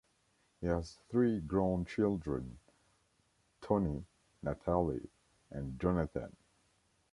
He has three grown children: Tony, Natalie and Jonathan.